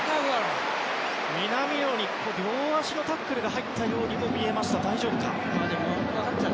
南野に両足タックルが入ったように見えました。